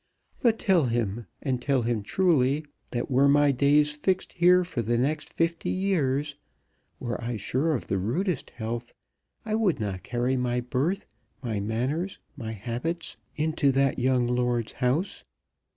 But tell him, and tell him truly, that were my days fixed here for the next fifty years, were I sure of the rudest health, I would not carry my birth, my manners, my habits into that young lord's house.